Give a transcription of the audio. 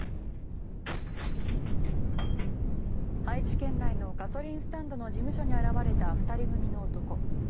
愛知県内のガソリンスタンドの事務所に現れた２人組の男。